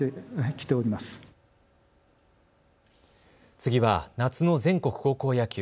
次は夏の全国高校野球。